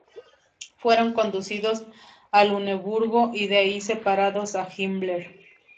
Fueron conducidos a Luneburgo y de ahí separados de Himmler.